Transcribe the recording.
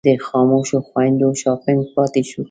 د خاموشو خویندو شاپنګ پاتې شو.